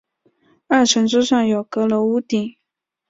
二层之上有阁楼屋顶。